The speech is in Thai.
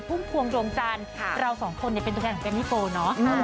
พุ่งพวงดวงจันทร์เราสองคนเนี่ยเป็นทุกคนของกรามมิโก้เนอะ